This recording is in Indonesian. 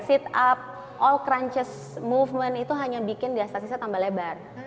sit up all crunches movement itu hanya bikin diastasisnya tambah lebar